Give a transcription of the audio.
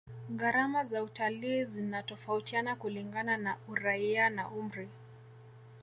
gharama za utalii zinatofautiana kulingana na uraia na umri